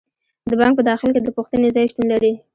د بانک په داخل کې د پوښتنې ځای شتون لري.